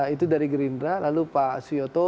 itu dari gerindra lalu pak suyoto